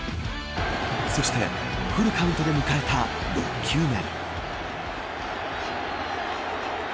そして、フルカウントで迎えた６球目。